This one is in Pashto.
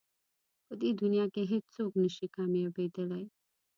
په دې دنیا کې هېڅ څوک نه شي کامیابېدلی.